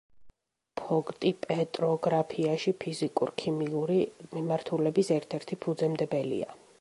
ფოგტი პეტროგრაფიაში ფიზიკურ-ქიმიური მიმართულების ერთ-ერთი ფუძემდებელია.